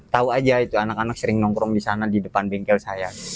tahu aja itu anak anak sering nongkrong di sana di depan bengkel saya